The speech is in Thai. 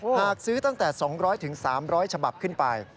หากซื้อตั้งแต่๒๐๐๓๐๐ฉบับขึ้นไป